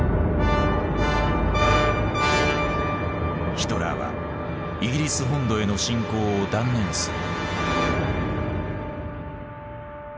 ヒトラーはイギリス本土への侵攻を断念する。